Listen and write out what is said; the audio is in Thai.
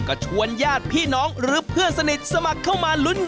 เอาที่ถูกที่สุด